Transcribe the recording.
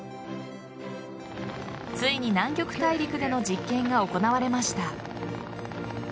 ついに南極大陸での実験が行われました。